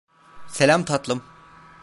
Selam, tatlım.